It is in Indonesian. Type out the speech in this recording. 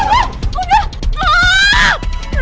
udah jam pada berantem